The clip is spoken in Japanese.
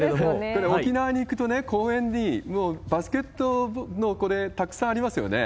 これ、沖縄に行くとね、公園に、もうバスケットのこれ、たくさんありますよね。